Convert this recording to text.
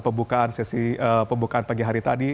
pembukaan pagi hari tadi